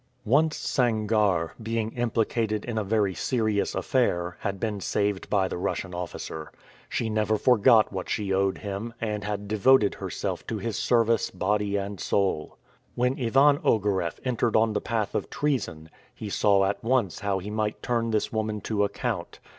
Once Sangarre, being implicated in a very serious affair, had been saved by the Russian officer. She never forgot what she owed him, and had devoted herself to his service body and soul. When Ivan Ogareff entered on the path of treason, he saw at once how he might turn this woman to account.